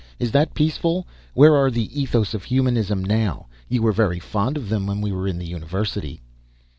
Is that peaceful? Where are the ethos of humanism now, you were very fond of them when we were in the University!"